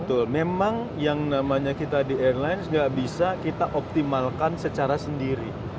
betul memang yang namanya kita di airlines nggak bisa kita optimalkan secara sendiri